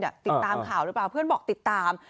ติดตามข่าวหรือเปล่าเพื่อนบอกติดตาม